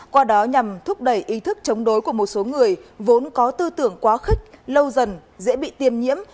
qua đó nhằm thúc đẩy ý thức chống đối của một số người vốn có tư tưởng quá khích lâu dần dễ bị tiêm nhiễm